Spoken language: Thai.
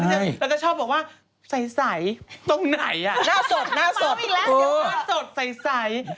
แล้วก็ชอบบอกว่าใสตรงไหน